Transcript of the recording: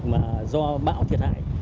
mà do bão thiệt hại